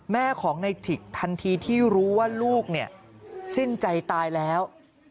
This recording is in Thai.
แม่ของในถิกทันทีที่รู้ว่าลูกเนี่ยสิ้นใจตายแล้ว